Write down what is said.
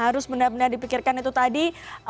harus benar benar dipikirkan itu tadi